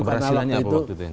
keberhasilannya apa waktu itu